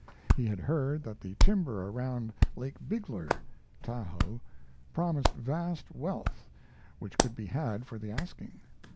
He had heard that the timber around Lake Bigler (Tahoe) promised vast wealth which could be had for the asking.